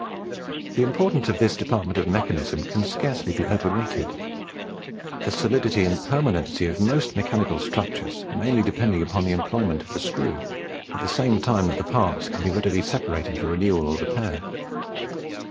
The importance of this department of mechanism can scarcely be overrated, the solidity and permanency of most mechanical structures mainly depending on the employment of the screw, at the same time that the parts can be readily separated for renewal or repair.